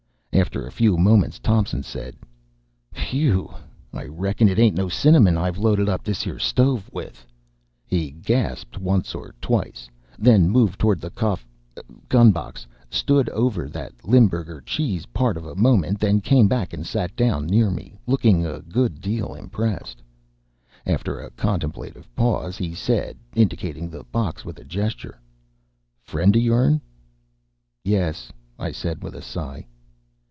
After a few moments Thompson said, "Pfew! I reckon it ain't no cinnamon 't I've loaded up thish yer stove with!" He gasped once or twice, then moved toward the cof gun box, stood over that Limburger cheese part of a moment, then came back and sat down near me, looking a good deal impressed. After a contemplative pause, he said, indicating the box with a gesture, "Friend of yourn?" "Yes," I said with a sigh.